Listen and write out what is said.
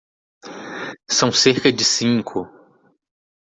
São cerca de cinco.